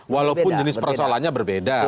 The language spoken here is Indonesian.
walaupun jenis persoalannya berbeda